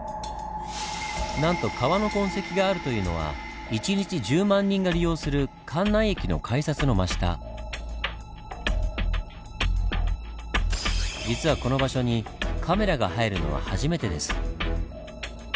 なんと川の痕跡があるというのは一日１０万人が利用する実はこの場所にカメラが入るのは初めてです。